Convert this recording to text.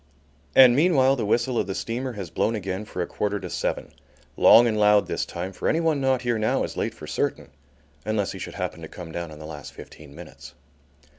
And meanwhile the whistle of the steamer has blown again for a quarter to seven: loud and long this time, for any one not here now is late for certain; unless he should happen to come down in the last fifteen minutes.